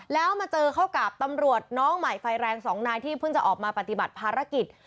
แล้วมาเจอเข้ากับตำรวจน้องใหม่ไฟแรงสองนายที่เพิ่งจะออกมาปฏิบัติภารกิจ